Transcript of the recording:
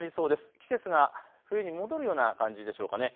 季節が冬に戻るような感じでしょうかね。